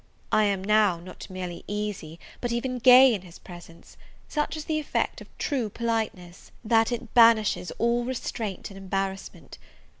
I am now not merely easy, but even gay in his presence: such is the effect of true politeness, that it banishes all restraint and embarrassment.